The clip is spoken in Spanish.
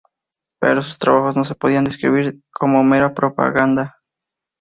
Pero sus trabajos no se podían describir como mera propaganda.